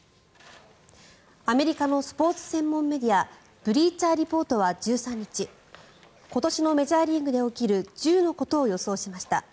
アメリカのスポーツ専門メディアブリーチャーリポートは１３日今年のメジャーリーグで起きる１０のことを予想しました。